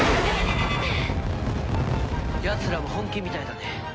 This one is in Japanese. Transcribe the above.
やつらも本気みたいだね。